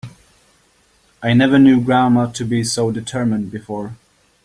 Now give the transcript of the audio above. I never knew grandma to be so determined before.